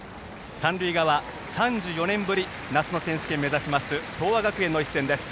三塁側、３４年ぶり夏の選手権を目指します東亜学園の一戦です。